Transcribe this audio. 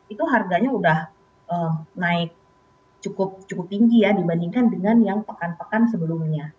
itu harganya sudah naik cukup tinggi ya dibandingkan dengan yang pekan pekan sebelumnya